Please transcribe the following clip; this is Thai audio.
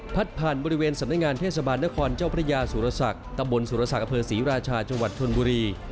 ผ่านบริเวณสำนักงานเทศบาลนครเจ้าพระยาสุรศักดิ์ตำบลสุรศักดิ์อเภอศรีราชาจังหวัดชนบุรี